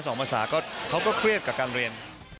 สองภาษาเขาก็เครียดกับการเรียน